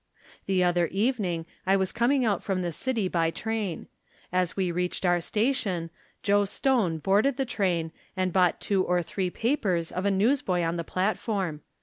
The other evening I was coming out from the city by train. As we reached our station, Joe Stone boarded the train, and bought two or three pa pers of the newsboy on the platform.